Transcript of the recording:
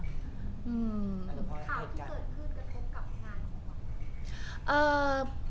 ถามที่เกิดขึ้นจะเท็จกับงานหรือเปล่า